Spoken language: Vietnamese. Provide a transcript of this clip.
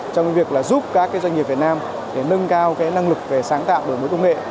trong việc giúp các doanh nghiệp việt nam nâng cao năng lực về sáng tạo đổi mới công nghệ